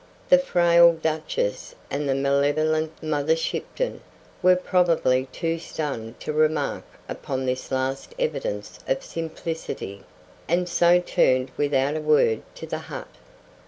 The frail Duchess and the malevolent Mother Shipton were probably too stunned to remark upon this last evidence of simplicity, and so turned without a word to the hut.